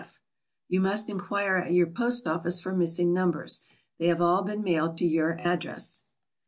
F. You must inquire at your post office for missing numbers. They have all been mailed to your address.